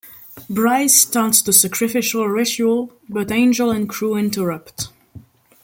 Bryce starts the sacrificial ritual, but Angel and crew interrupt.